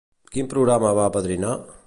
Quin programa va apadrinar?